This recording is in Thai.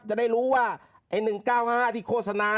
จะได้รู้ว่าไอ้๑๙๕ที่โฆษณา